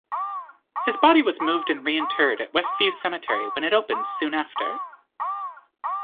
His body was moved and reinterred at Westview Cemetery when it opened soon after.